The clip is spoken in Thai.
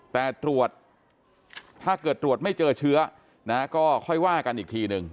แต่ตรวจถ้าเกิดตรวจไม่เจอเชื้อนะฮะก็ค่อยว่ากันอีกทีหนึ่ง